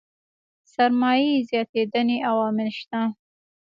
سرمايې زياتېدنې عوامل شته.